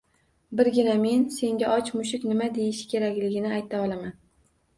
Birgina men senga och mushuk nima deyishi kerakligini ayta olaman